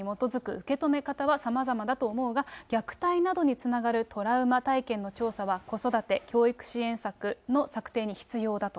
受け止め方はさまざまだと思うが、虐待などにつながるトラウマ体験の調査は子育て、教育支援策の策定に必要だと。